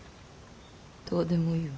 どうでもいいわ。